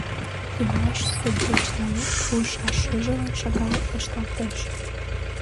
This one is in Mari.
Ӱмашсе деч налог пуышаш шыжылан шагал ышталтеш.